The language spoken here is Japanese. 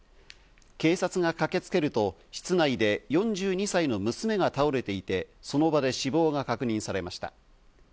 警察が駆けつけると室内で４２歳の娘が倒れていて、その場で死亡が確認されました。